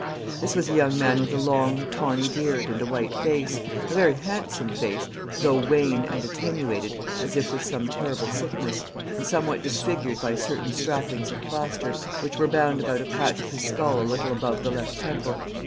This was a young man with a long tawny beard and a white face, a very handsome face, though wan and attenuated, as if with some terrible sickness, and somewhat disfigured by certain strappings of plaister, which were bound about a patch of his skull a little above the left temple.